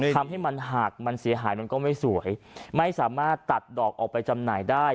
ทำให้มันหักมันเสียหายมันก็ไม่สวยไม่สามารถตัดดอกออกไปจำหน่ายได้